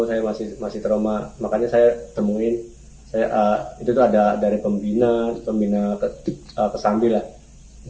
saya masih masih trauma makanya saya temuin saya itu ada dari pembina pembina ketik atau sambilan